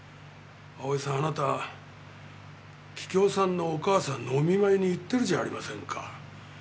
葵さんあなた桔梗さんのお母さんのお見舞いに行ってるじゃありませんか。